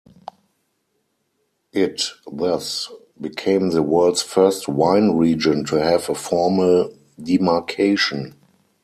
It thus became the world's first wine region to have a formal demarcation.